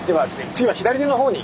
次は左手のほうに。